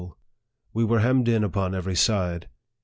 We were hemmed in upon every side.